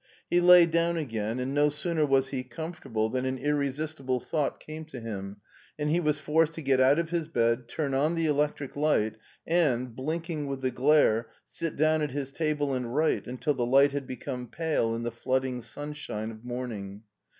He lay down again, and no sooner was he com fortable than an irresistible thought came to him, and he was forced to get out of his bed, turn on the electric light, and, blinking with the glare, sit down at his table and write until the light had become pale in the flooding sunshine of morning.